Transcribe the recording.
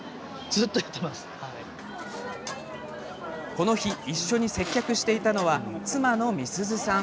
この日一緒に接客をしていたのは妻の美鈴さん。